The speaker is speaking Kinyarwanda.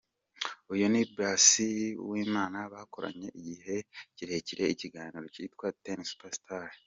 Uyu ni Basile Uwimana bakoranye igihe kirekire ikiganiro cyitwaga Ten Super Star .